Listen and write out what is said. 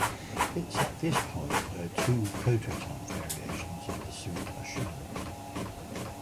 Its at this point where two prototype variations of the suit are shown.